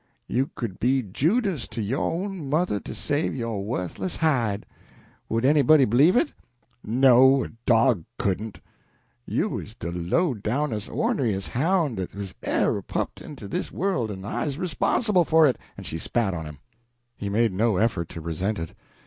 You could be Judas to yo' own mother to save yo' wuthless hide! Would anybody b'lieve it? No a dog couldn't! You is de low downest orneriest hound dat was ever pup'd into dis worl' en I's 'sponsible for it!" and she spat on him. He made no effort to resent this.